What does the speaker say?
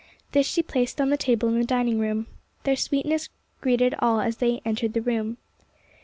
This she placed on the table in the dinmg room. Their sweetness greeted all as they entered the room.